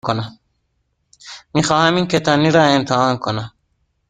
می خواهم این کتانی ها را امتحان کنم.